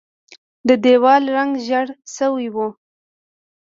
د دیوال رنګ ژیړ شوی و.